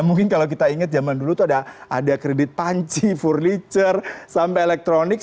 mungkin kalau kita ingat zaman dulu tuh ada kredit panci furniture sampai elektronik